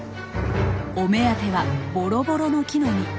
お目当てはボロボロノキの実。